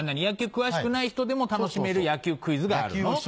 野球詳しくない人でも楽しめる野球クイズがあるの？